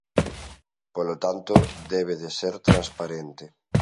Polo tanto, debe de ser transparente.